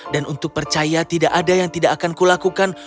dan untuk percaya tidak ada yang tidak akan kulakukan